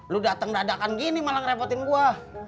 lu datang dadakan gini malah ngerepotin gue